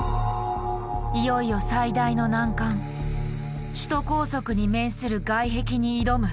いよいよ最大の難関「首都高速に面する外壁」に挑む。